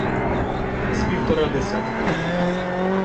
З півтора десятка.